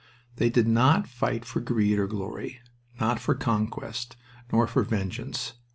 They did not fight for greed or glory, not for conquest, nor for vengeance.